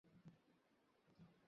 তুমি এখন এসব করবে?